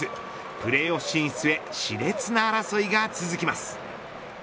プレーオフ進出へし烈な争いが続きます。